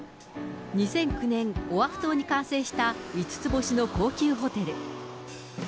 ２００９年、オアフ島に完成した５つ星の高級ホテル。